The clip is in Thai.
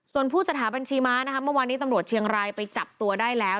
ส่วนผู้สถาบัญชีม้านะคะเมื่อวานนี้ตำรวจเชียงรายไปจับตัวได้แล้ว